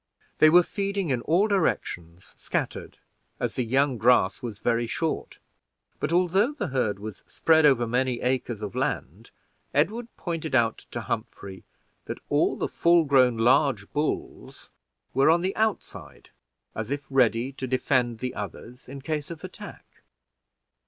They were feeding in all directions, scattered, as the young grass was very short; but although the herd was spread over many acres of land, Edward pointed out to Humphrey that all the full grown large bulls were on the outside, as if ready to defend the others in case of attack.